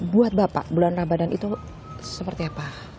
buat bapak bulan ramadan itu seperti apa